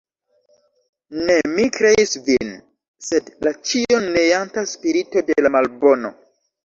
Ne mi kreis vin, sed la ĉion neanta spirito de la Malbono.